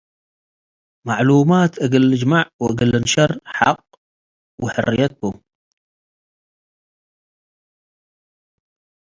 መዕሉማት እግል ልጅመዕ ወእግል ልንሸር ሐቅ ወሕርየት ቡ።